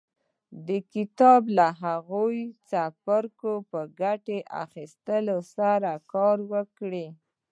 د کتاب له هغو څپرکو په ګټې اخيستنې سره کار وکړئ.